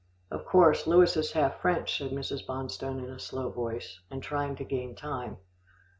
"Of course, Louis is half French," said Mrs. Bonstone in a slow voice, and trying to gain time.